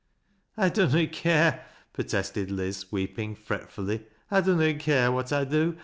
" I dunnot care," protested Liz, weeping fretfully. " I dunnot care what I do.